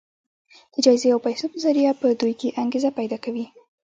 د جايزې او پيسو په ذريعه په دوی کې انګېزه پيدا کوي.